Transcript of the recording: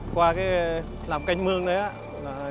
qua cái làm canh mương đấy á